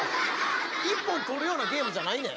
一本取るようなゲームじゃないねん。